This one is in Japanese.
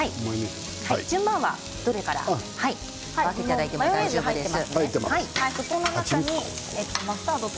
順番は、どれから合わせていただいても大丈夫です。